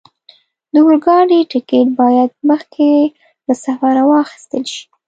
د اورګاډي ټکټ باید مخکې له سفره واخستل شي.